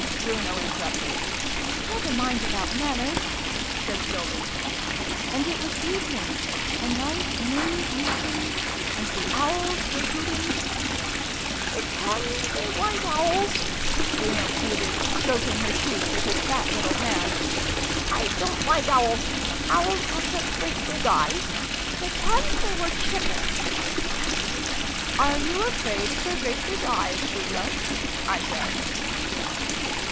Bruno in terrupted. " Never mind about manners/'' said Sylvie) " and it was evening a nice moony evening, and the Owls were hooting " Pretend they weren't Owls! " Bruno pleaded, stroking her cheek with his fat little hand. " I don't like Owls. Owls have such great big eyes. Pretend they were Chickens !"" Are you afraid of their great big eyes, Bruno ?" I said.